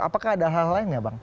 apakah ada hal lain ya bang